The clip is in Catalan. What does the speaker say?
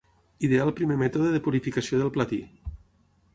Ideà el primer mètode de purificació del platí.